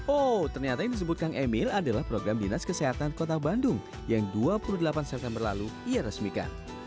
oh ternyata yang disebut kang emil adalah program dinas kesehatan kota bandung yang dua puluh delapan september lalu ia resmikan